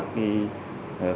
các văn bản